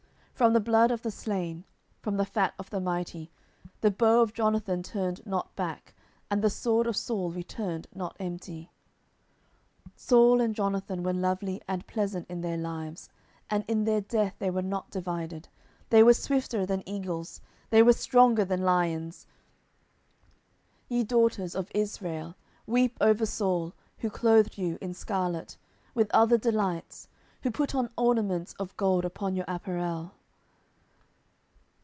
10:001:022 From the blood of the slain, from the fat of the mighty, the bow of Jonathan turned not back, and the sword of Saul returned not empty. 10:001:023 Saul and Jonathan were lovely and pleasant in their lives, and in their death they were not divided: they were swifter than eagles, they were stronger than lions. 10:001:024 Ye daughters of Israel, weep over Saul, who clothed you in scarlet, with other delights, who put on ornaments of gold upon your apparel.